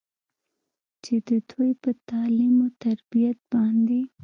چې د دوي پۀ تعليم وتربيت باندې